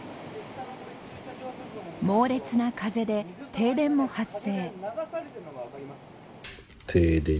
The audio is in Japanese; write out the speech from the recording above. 猛烈な風で停電も発生。